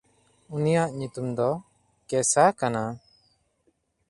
ᱩᱱᱤᱭᱟᱜ ᱧᱩᱛᱩᱢ ᱫᱚ ᱠᱮᱥᱟ ᱠᱟᱱᱟ᱾